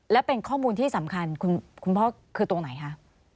และเป็นข้อมูลที่สำคัญคุณพ่อคือตรงไหนคะ